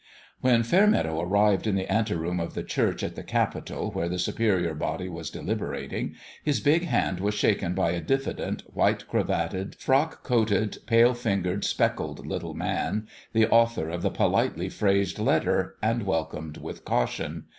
When Fairmeadow arrived in the anteroom of the church at the Capital where the Superior 334 IN HIS OWN BEHALF Body was deliberating, his big hand was shaken by a diffident, white cravated, frock coated, pale fingered, spectacled little man, the author of the politely phrased letter, and welcomed with caution.